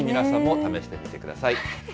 ぜひ皆さんも試してみてください。